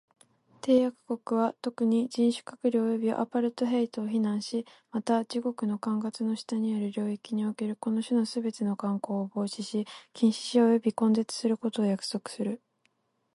締約国は、特に、人種隔離及びアパルトヘイトを非難し、また、自国の管轄の下にある領域におけるこの種のすべての慣行を防止し、禁止し及び根絶することを約束する。